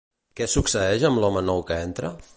Què succeeix amb l'home nou que entra?